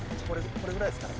これぐらいですかね。